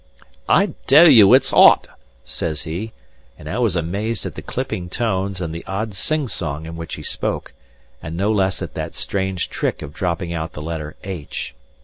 "I tell you it's 'ot," says he; and I was amazed at the clipping tones and the odd sing song in which he spoke, and no less at that strange trick of dropping out the letter "h."